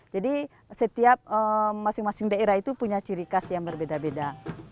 jadi setiap masing masing daerah itu punya ciri khas yang berbeda beda